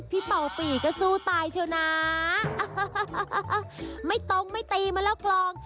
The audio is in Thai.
พี่เป๋าปี่ก็สู้ตายเช่านั้นไม่ต้องไม่ตีมันแล้วกลอง